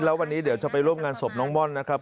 แล้ววันนี้เดี๋ยวจะไปร่วมงานศพน้องม่อนนะครับ